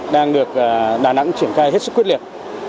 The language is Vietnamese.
đang được đà nẵng triển khai hết sức quyết liệt